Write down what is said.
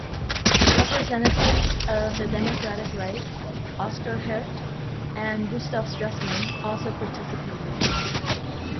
Representatives of the democratic right, Oskar Hergt and Gustav Stresemann also participated.